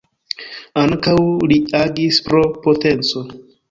Ankaŭ li agis pro potenco.